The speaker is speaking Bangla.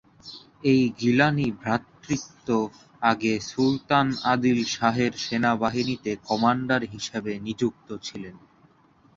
এই গিলানি ভ্রাতৃত্ব আগে সুলতান আদিল শাহের সেনাবাহিনীতে কমান্ডার হিসেবে নিযুক্ত ছিলেন।